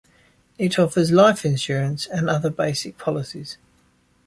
It offers life insurance and other basic policies.